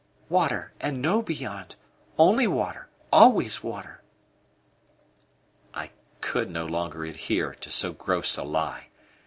"Water, and no beyond? Only water always water?" I could no longer adhere to so gross a lie.